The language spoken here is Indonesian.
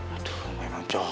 aduh memang jauh